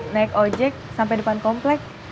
naik ojek sampai depan komplek